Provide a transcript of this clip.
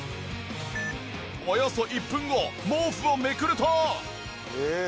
およそ１分後毛布をめくると。